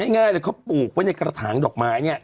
ง่ายเลยเขาปลูกไว้ในกระถางดอกไม้เนี่ย